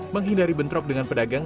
menghindari bentrok dengan pedagang